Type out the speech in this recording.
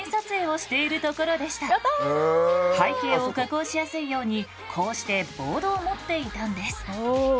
背景を加工しやすいようにこうしてボードを持っていたんです。